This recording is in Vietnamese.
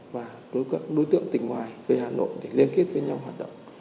và đối tượng tỉnh ngoài về hà nội để liên kết với nhau hoạt động